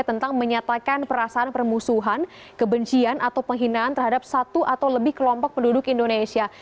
tentang menyatakan perasaan permusuhan kebencian atau penghinaan terhadap satu atau lebih kelompok penduduk indonesia